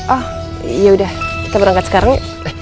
oh ya udah kita berangkat sekarang